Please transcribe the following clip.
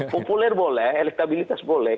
populer boleh elektabilitas boleh